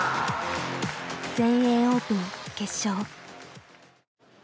全英オープン決勝。